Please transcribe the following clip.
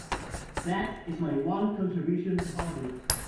That is my one contribution to Hollywood.